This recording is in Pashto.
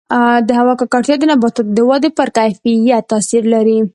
د هوا ککړتیا د نباتاتو د ودې پر کیفیت تاثیر لري.